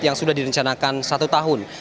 yang sudah direncanakan satu tahun